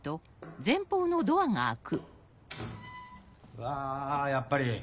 うわやっぱり。